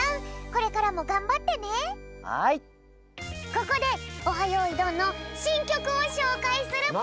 ここで「オハ！よいどん」のしんきょくをしょうかいするぴょん！